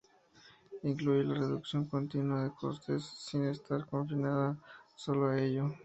Incluye la reducción continua de costes, sin estar confinada sólo a ello.